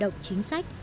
bảo đảm chính sách